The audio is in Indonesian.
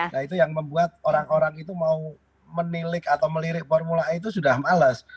nah itu yang membuat orang orang itu mau menilik atau melirik formula e itu sudah males